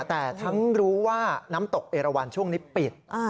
แต่ทั้งรู้ว่าน้ำตกเอราวันช่วงนี้ปิด